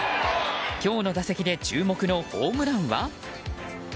今日の打席で注目のホームランは？